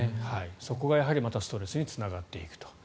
そこがやはりストレスにつながっていくと。